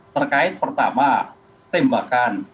terkait pertama tembakan